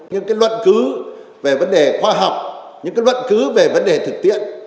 những cái luận cứu về vấn đề khoa học những cái luận cứu về vấn đề thực tiện